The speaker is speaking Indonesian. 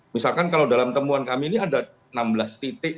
misalkan kalau dalam temuan kami ini ada enam belas titik